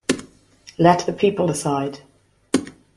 Let the people decide.